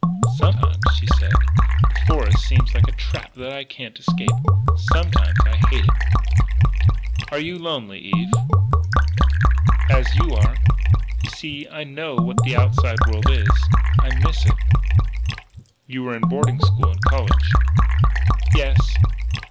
"Sometimes," she said, "the forest seems like a trap that I can't escape. Sometimes I hate it." "Are you lonely, Eve?" "As you are. You see I know what the outside world is. I miss it." "You were in boarding school and college." "Yes."